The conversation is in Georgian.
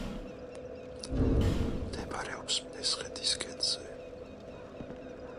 მდებარეობს მესხეთის ქედზე.